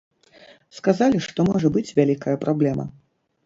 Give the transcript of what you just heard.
Сказалі, што можа быць вялікая праблема.